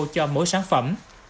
cho mỗi sản phẩm